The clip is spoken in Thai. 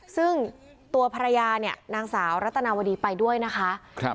ซึ่งตัวภรรยาเนี่ยนางสาวรัตนาวดีไปด้วยนะคะ